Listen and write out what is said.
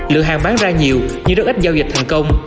lượng hàng bán ra nhiều nhưng rất ít giao dịch thành công